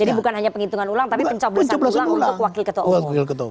jadi bukan hanya penghitungan ulang tapi pencembelasan ulang untuk wakil ketua umum